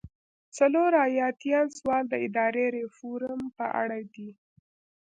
څلور ایاتیام سوال د اداري ریفورم په اړه دی.